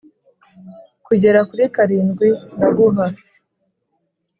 kugera kuri karindwi ndaguha